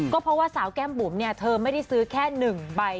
ก็เพราะว่าสาวแก้มบุ๋มเธอไม่ได้ซื้อแค่๑ใบ